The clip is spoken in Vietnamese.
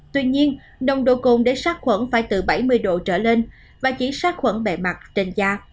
tuy nhiên nồng độ cồn để sát khuẩn phải từ bảy mươi độ trở lên và chỉ sát khuẩn bề mặt trên da